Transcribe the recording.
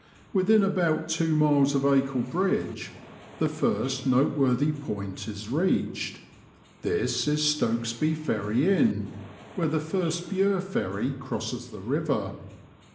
Within about two miles of Acle Bridge the first noteworthy point is reached. This is Stokesby Ferry Inn, where the first Bure ferry ciosses the river.